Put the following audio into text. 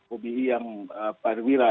obe yang parwira